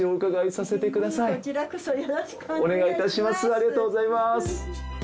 ありがとうございます。